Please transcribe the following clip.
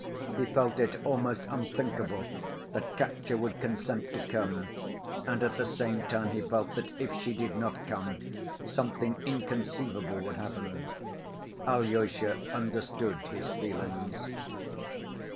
He felt it almost unthinkable that Katya would consent to come, and at the same time he felt that if she did not come, something inconceivable would happen. Alyosha understood his feelings.